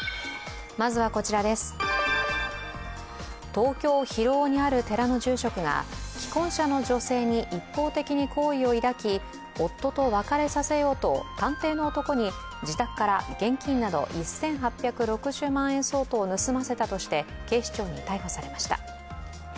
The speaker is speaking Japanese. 東京・広尾にある寺の住職が既婚者の女性に一方的に好意を抱き夫と分かれさせようと探偵の男に自宅から現金など１８６０万円相当を盗ませたとして警視庁に逮捕されました。